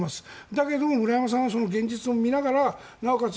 だけど村山さんはその現実を見ながらなおかつ